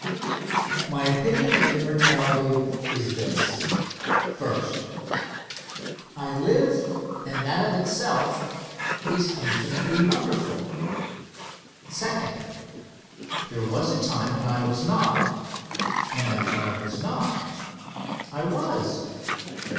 My opinion of immortality is this: First. I live, and that of itself is infinitely wonderful. Second. There was a time when I was not, and after I was not, I was.